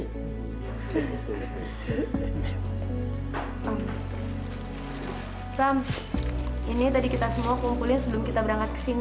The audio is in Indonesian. ram ini tadi kita semua kumpulin sebelum kita berangkat kesini